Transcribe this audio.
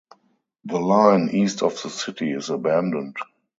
The line east of the city is abandoned.